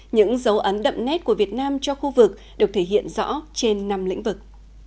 những dấu ấn đậm nét của việt nam cho khu vực được thể hiện rõ trên năm lĩnh vực